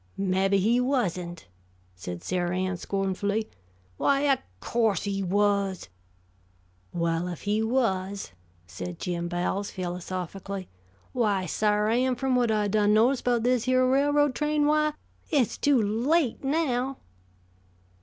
"Mabbe he wasn't!" said Sarah Ann scornfully. "Why, o' course he was." "Well, if he was," said Jim Bowles, philosophically, "why, Sar' Ann, from whut I done notice about this here railroad train, why it's too late now."